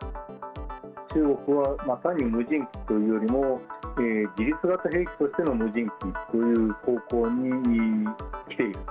中国は、単に無人機というよりも、自律型兵器としての無人機という方向に来ている。